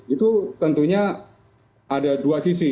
itu tentunya ada dua sisi